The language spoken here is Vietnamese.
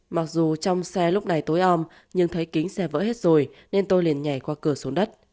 mặc dù trong xe lúc này tối om nhưng thấy kính xe vỡ hết rồi nên tôi liền nhảy qua cửa xuống đất